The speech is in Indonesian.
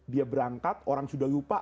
dia berangkat orang sudah lupa